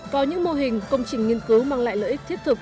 có những mô hình công trình nghiên cứu mang lại lợi ích thiết thực